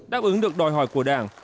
đáp ứng được đòi hỏi của đảng